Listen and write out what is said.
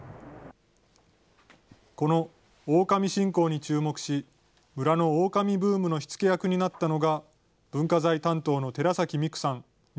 このオオカミ信仰に注目し、村のオオカミブームの火つけ役になったのが文化財担当の寺崎美紅さん